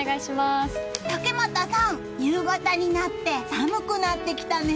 竹俣さん、夕方になって寒くなってきたね！